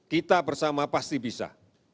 kita bersama pasti bisa